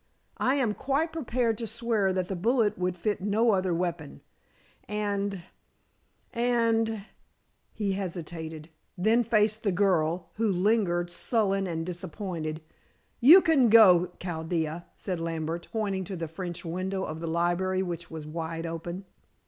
I am quite prepared to swear that the bullet would fit no other weapon. And and" he hesitated, then faced the girl, who lingered, sullen and disappointed. "You can go, Chaldea," said Lambert, pointing to the French window of the library, which was wide open.